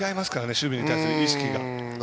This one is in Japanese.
守備に対する意識が。